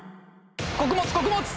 穀物穀物！